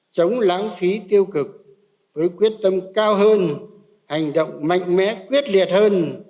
chống lãng phí tiêu cực với quyết tâm cao hơn hành động mạnh mẽ quyết liệt hơn